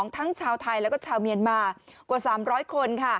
ทั้งชาวไทยแล้วก็ชาวเมียนมากว่า๓๐๐คน